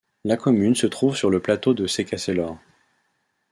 La commune se trouve sur le plateau Secașelor.